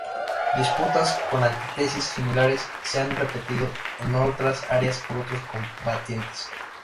Disputas con antítesis similares, se han repetido en otras áreas por otros combatientes.